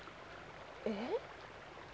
えっ？